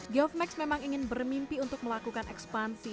geof max memang ingin bermimpi untuk melakukan ekspansi